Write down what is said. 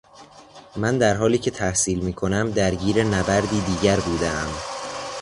من در حالی که تحصیل میکنم درگیر نبردی دیگر بودهام